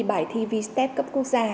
bài thi v step cấp quốc gia